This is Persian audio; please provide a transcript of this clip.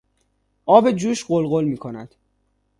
آب جوش غل غل میکند.